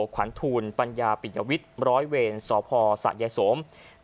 ขวัญทูลปัญญาปิญญาวิทย์ร้อยเวรสศยสม